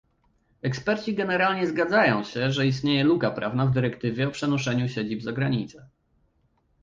Eksperci generalnie zgadzają się, że istnieje luka prawna w dyrektywie o przenoszeniu siedzib zagranicę